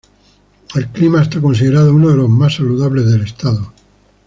El clima es considerado uno de los más saludables del estado.